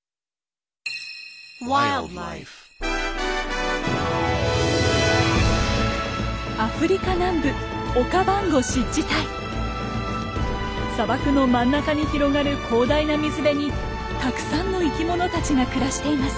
砂漠の真ん中に広がる広大な水辺にたくさんの生きものたちが暮らしています。